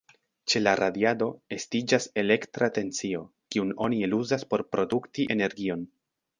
Ĉe la radiado, estiĝas elektra tensio, kiun oni eluzas por produkti energion.